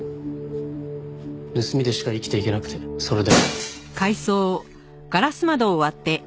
盗みでしか生きていけなくてそれで。